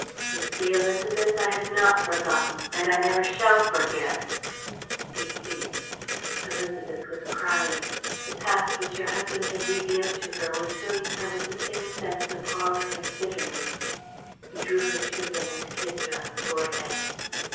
You see, Élisabeth, I have not forgotten and I never shall forget." He ceased. Élisabeth was crying. The past which her husband had revealed to her was filling her with the same sense of horror and bitterness. He drew her to him and kissed her on the forehead.